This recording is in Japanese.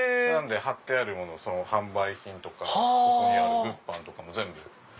貼ってあるもの「販売品」とかここにある「物販」とかも全部。